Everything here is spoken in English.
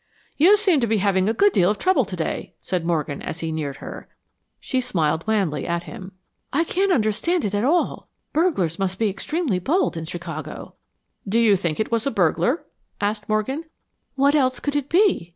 "You seem to be having a good deal of trouble today," said Morgan, as he neared her. She smiled wanly at him. "I can't understand it at all. Burglars must be extremely bold in Chicago." "Do you think it was a burglar?" asked Morgan. "What else could it be?"